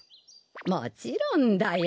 もちろんだよ。